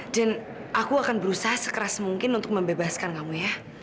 dan aku akan berusaha sekeras mungkin untuk membebaskan kamu ya